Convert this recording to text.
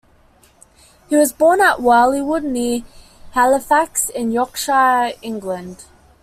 He was born at Warleywood, near Halifax, in Yorkshire, England.